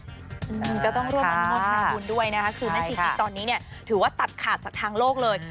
ก็ต้องรวมกับงบทางกลุ่นด้วยนะครับจุดแม่ชีติตอนนี้ถือว่าตัดขาดจากทางโลกเลย